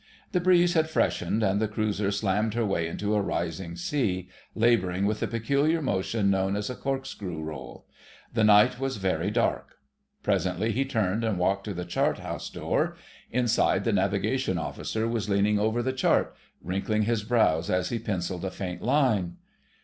The breeze had freshened, and the cruiser slammed her way into a rising sea, labouring with the peculiar motion known as a "cork screw roll": the night was very dark. Presently he turned and walked to the chart house door: inside, the Navigation Officer was leaning over the chart, wrinkling his brows as he pencilled a faint line.